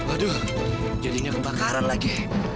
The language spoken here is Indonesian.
aduh jadinya kebakaran lagi